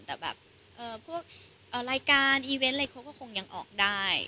แต่แบบพวกรายการอีเวนต์อะไรเขาก็คงยังออกได้